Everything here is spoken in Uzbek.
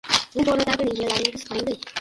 Bu boradagi rejalaringiz qanday?